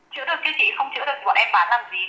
chữa được chứ chị không chữa được thì bọn em bán làm gì